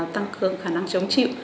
tăng cường khả năng chống chịu